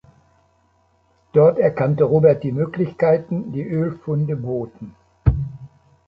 Dort erkannte Robert die Möglichkeiten, die Ölfunde boten.